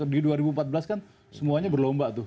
di dua ribu empat belas kan semuanya berlomba tuh